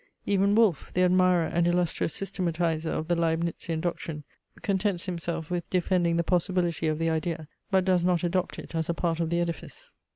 Even Wolf, the admirer and illustrious systematizer of the Leibnitzian doctrine, contents himself with defending the possibility of the idea, but does not adopt it as a part of the edifice.